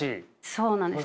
そうなんです。